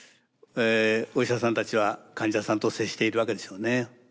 お医者さんたちは患者さんと接しているわけでしょうね。